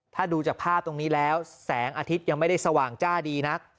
ถ้าดูจากภาพตรงนี้แล้วแสงอาทิตย์ยังไม่ได้สว่างจ้าดีนัก